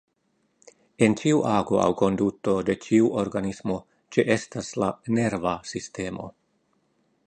En ĉiu ago aŭ konduto de ĉiu organismo ĉeestas la nerva sistemo.